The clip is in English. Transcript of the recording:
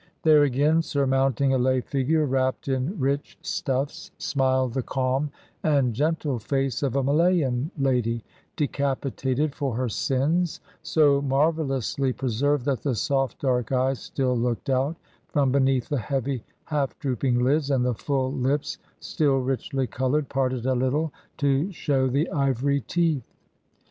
There again, surmounting a lay figure wrapped in rich stuffs, smiled the calm and gentle face of a Malayan lady decapitated for her sins, so marvellously preserved that the soft dark eyes still looked out from beneath the heavy, half drooping lids, and the full lips, still richly coloured, parted a little to show the ivory teeth.